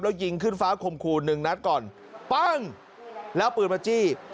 แล้วยิงขึ้นฟ้าคมครูหนึ่งนัดก่อนปั้งแล้วเอาปืนมาจี้